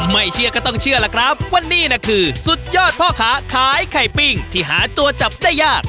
ไม่เชื่อก็ต้องเชื่อล่ะครับว่านี่นะคือสุดยอดพ่อค้าขายไข่ปิ้งที่หาตัวจับได้ยาก